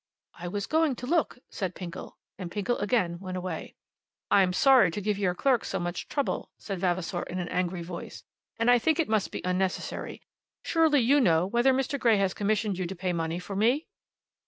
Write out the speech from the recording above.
"I was going to look," said Pinkle; and Pinkle again went away. "I'm sorry to give your clerk so much trouble," said Vavasor, in an angry voice; "and I think it must be unnecessary. Surely you know whether Mr. Grey has commissioned you to pay money for me?"